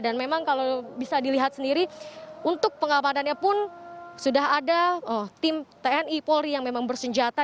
dan memang kalau bisa dilihat sendiri untuk pengamanannya pun sudah ada tim tni polri yang memang bersenjata